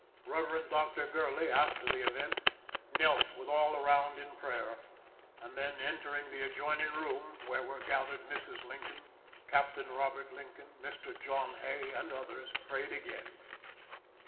Rev. Dr. Gurley, after the event, knelt with all around in prayer, and then, entering the adjoining room where were gathered Mrs. Lincoln, Captain Robert Lincoln, Mr. John Hay, and others, prayed again.